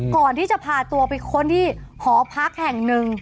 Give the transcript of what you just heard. ก่อนที่จะพาตัวไปค้นที่หอพักแห่งหนึ่ง